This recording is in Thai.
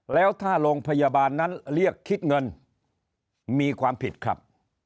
แล้วถ้าโรงพยาบาลนั้นเรียกคิดเงินมีความผิดครับ